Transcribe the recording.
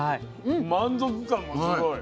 満足感もすごい。